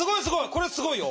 これすごいよ！